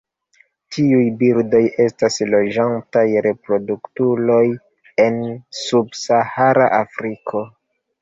Tiuj birdoj estas loĝantaj reproduktuloj en subsahara Afriko.